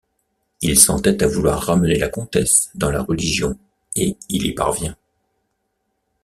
Il s'entête à vouloir ramener la comtesse dans la religion et il y parvient.